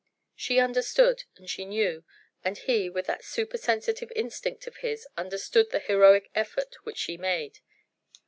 She understood and she knew, and he, with that supersensitive instinct of his, understood the heroic effort which she made.